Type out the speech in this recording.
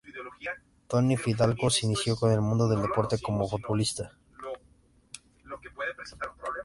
Toni Fidalgo se inició en el mundo del deporte como futbolista.